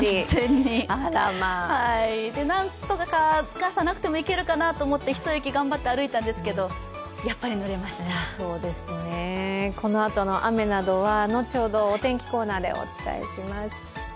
なんとか傘なくてもいけるかなと思って１駅頑張って歩いたんですがこのあとの雨などは後ほどお天気コーナーでお伝えします。